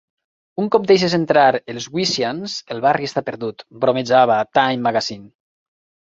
"Un cop deixes entrar els Wisians, el barri està perdut", bromejava 'Time Magazine'.